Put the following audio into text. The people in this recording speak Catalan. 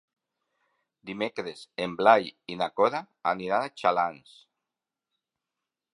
Dimecres en Blai i na Cora aniran a Xalans.